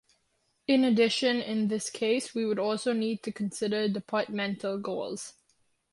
In addition, in this case, we would also need to consider departmental goals.